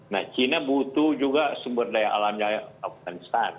nah china butuh juga sumber daya alamnya afganistan